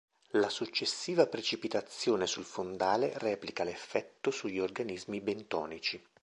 La successiva precipitazione sul fondale replica l'effetto sugli organismi bentonici.